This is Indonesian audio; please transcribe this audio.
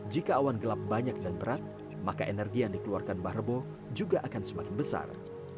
jika awan gelap banyak dan berat maka energi yang dikeluarkan mbah rebo juga akan semakin besar